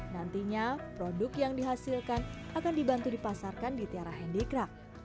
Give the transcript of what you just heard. nantinya produk yang dihasilkan akan dibantu dipasarkan di tiara handicraft